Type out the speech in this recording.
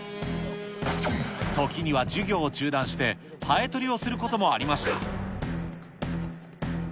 時には授業を中断して、ハエ取りをすることもありました。